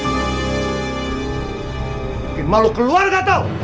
mungkin mau lu keluar gak tau